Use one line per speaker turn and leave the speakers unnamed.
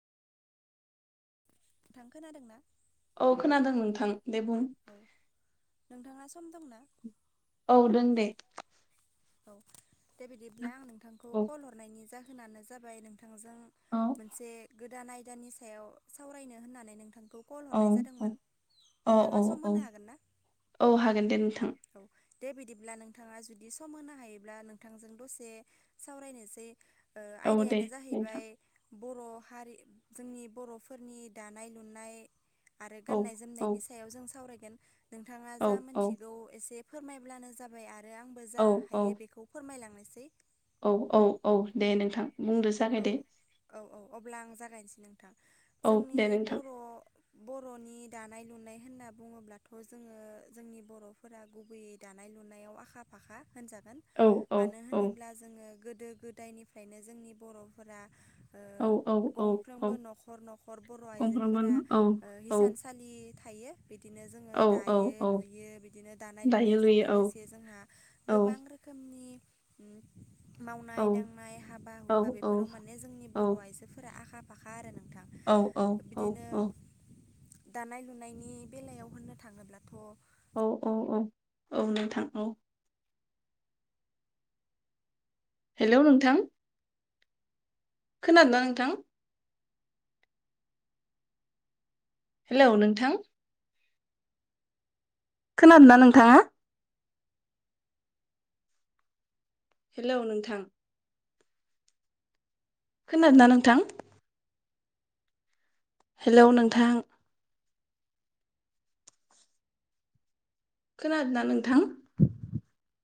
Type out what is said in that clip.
थां खोनादों ना
औ खोनादों नोंथां दे बुं
औ नोंथाङा सम दंना
औ दों दे
औ दे बिदिब्ला आं नोंथांखौ
औ
कल हरनायनि जाहोनानो जाबाय नों थांजों
औ
मोनसे गोदान आयदानि सायाव सावरायनो होननानै नोंथां खौ कल
औ
हरनाय
औ
जादोंमोन
औ
नोंथाङा सम
औ औ
होनो हागोन ना
औ हागोन दे नोंथां
औ दे बिदिब्ला नोंथाङा जुदि सम होनो हायोब्ला नोंथांजों दसे सावरायनोसै ओ
औ दे
आयदायानो
नोंथां
जाहैबाय बर हारि जोंनि बरफोरनि दानाय लुनाय आरो
औ
गाननाय
औ
जोमनायनि सायाव जों सावरायगोन नोंथाङा
औ
जा
औ
मोनथिगौ एसे फोरमायब्लानो जाबाय आरो आंबो जा
औ
हायो बेखौ फोरमायलांनोसै
औ औ औ दे नोंथां बुंदो
औ
जागाय दो
औ औ अब्ला आं जागायनोसै नोंथां
औ
जोंनि
दे नोंथां
बर' बर'नि दानाय लुनाय होनना बुङोब्लाथ जोङो जोंनि बरफोरा गुबैयै दानाय लुनायाव आखा फाखा होनजागोन
औ औ
मानो
औ
होनोब्ला जोङो गोदो गोदायनिफ्रायनो जोंनि बरफोरा ओ
औ औ औ औ
गंफ्रोमबो नखर नखर बर
गंफ्रोमबो
आइजोफोरा
औ
ओ
औ
हिसानसालि थायो बिदिनो जोङो
औ औ
दायो
औ
लुयो बिदिनो दानाय
दायो
लुनायजों
लुयो
लोगोसे जोंहा
औ
गोबां रो खोमनि ओम
औ
मावनाय दांनाय हाबा
औ
हुखा
औ
बेफोराव माने जोंनि बर आइजोफोरा आखा फाखा आरो ना
औ औ औ औ
दानाय लुनायनि बेलायाव होननो थाङोब्लाथ'
औ औ औ औ नोंथां औ हेलौ नोंथां खोनादोंना नोंथां हेलौ नोंथां खोनादोंना नोंथाङा हेलौ नोंथां खोनादोना नोंथां हेल' नोंथां। खोनादोंना नोंथां?